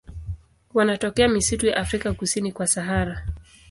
Wanatokea misitu ya Afrika kusini kwa Sahara.